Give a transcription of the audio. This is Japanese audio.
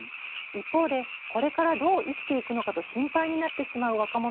一方でこれからどう生きていくのかと心配になってしまう若者もいました。